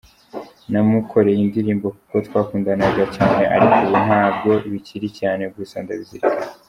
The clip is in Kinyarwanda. Namukoreye indirimbo kuko twakundanaga cyane ariko ubu ntabwo bikiri cyane gusa ndabizirikana”.